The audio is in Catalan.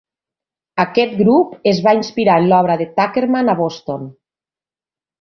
Aquest grup es va inspirar en l'obra de Tuckerman a Boston.